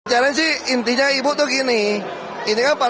hai jalan sih intinya ibu tuh gini ini apa tipe lopor